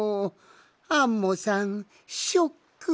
アンモさんショック。